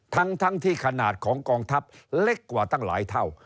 ทั้งที่ขนาดของกองทัพเล็กกว่าตั้งหลายเท่า